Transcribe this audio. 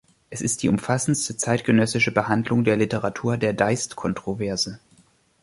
Es ist die umfassendste zeitgenössische Behandlung der Literatur der Deist-Kontroverse.